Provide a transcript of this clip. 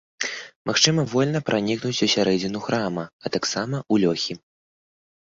Магчыма вольна пранікнуць усярэдзіну храма, а таксама ў лёхі.